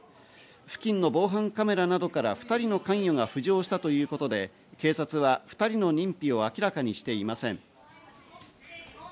付近の防犯カメラなどから２人の関与が浮上したということで、警察は２人の認否を明らかにしていません。